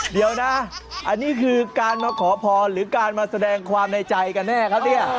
เดี๋ยวนะอันนี้คือการมาขอพรหรือการมาแสดงความในใจกันแน่ครับเนี่ย